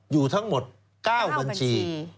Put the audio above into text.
อยู่ทั้งหมด๙บัญชี